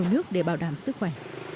làm sức khỏe